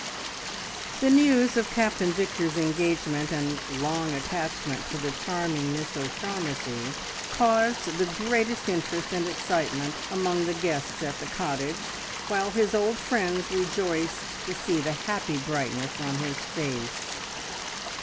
The news of Captain Victor's engagement and long attachment to the charming Miss O'Shaughnessy caused the greatest interest and excitement among the guests at the cottage, while his old friends rejoiced to see the happy brightness on his face.